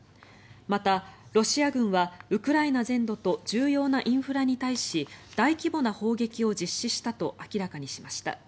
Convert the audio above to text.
また、ロシア軍はウクライナ全土と重要なインフラに対し大規模な砲撃を実施したと明らかにしました。